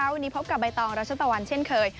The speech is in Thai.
วันนี้พบกับใบตองรัชตะวันเช่นเคย